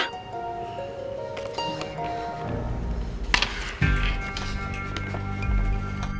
tidak tak bisa tidak bisa